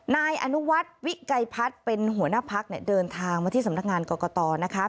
นายอนุวัฒน์วิกัยพัฒน์เป็นหัวหน้าพักเนี่ยเดินทางมาที่สำนักงานกรกตนะคะ